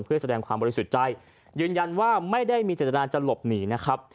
เพื่อแสดงความบริสุทธิ์ใจยืนยันว่าไม่ได้มีเจตนาจะหลบหนีนะครับ